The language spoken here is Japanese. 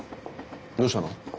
どうしたの？